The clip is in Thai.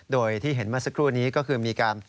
โดยที่เห็นเมื่อสักครู่นี้ก็คือมีการ